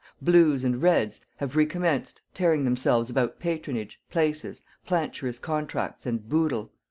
"Blues" and "Reds" have recommenced tearing themselves about patronage, places, planturous contracts and "boodle."